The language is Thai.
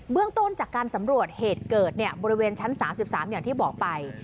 เบื้องต้นจากการสำรวดเหตุเกิดเนี่ยบริเวณชั้นสามสิบสามอย่างที่บอกไป